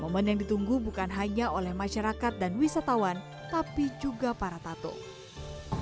momen yang ditunggu bukan hanya oleh masyarakat dan wisatawan tapi juga para tatung